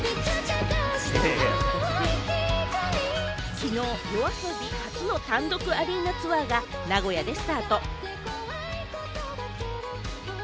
昨日、ＹＯＡＳＯＢＩ初の単独アリーナツアーが名古屋でスタート。